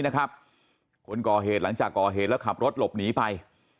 คนก่อเหตุหลังจากก่อเหตุแล้วขับรถหลบหนีไป